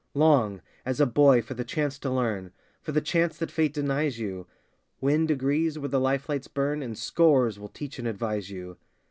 Long, as a boy, for the chance to learn For the chance that Fate denies you; Win degrees where the Life lights burn, And scores will teach and advise you.